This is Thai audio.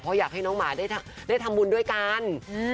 เพราะอยากให้น้องหมาได้ทำบุญด้วยกัน